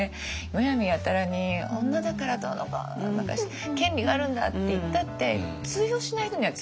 むやみやたらに女だからどうのこうのとか権利があるんだって言ったって通用しない人には通用しない正直。